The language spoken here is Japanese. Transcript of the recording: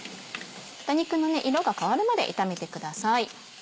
豚肉の色が変わるまで炒めてください。